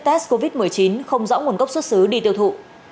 test covid một mươi chín không rõ nguồn gốc xuất xứ đi tiêu thụ